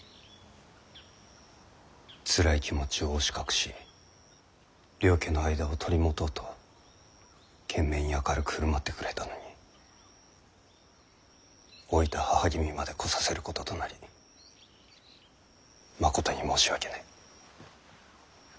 つらい気持ちを押し隠し両家の間を取り持とうと懸命に明るく振る舞ってくれたのに老いた母君まで来させることとなりまことに申し訳ない。